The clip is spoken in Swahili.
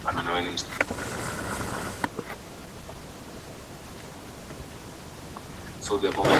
Ni Roho na mwili zilizoathirika.